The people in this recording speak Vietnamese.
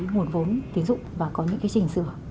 nguồn vốn tín dụng và có những trình sửa